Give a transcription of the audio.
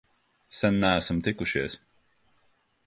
Sen neesam tikušies!